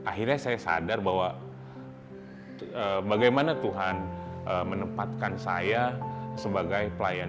akhirnya saya sadar bahwa bagaimana tuhan menempatkan saya sebagai pelayan